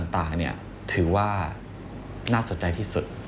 ต่างถือว่าน่าสนใจที่สุด